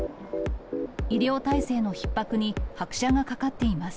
医療体制のひっ迫に拍車がかかっています。